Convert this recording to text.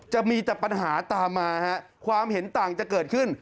จะมีแต่ปัญหาตามมาฮะความเห็นต่างจะเกิดขึ้น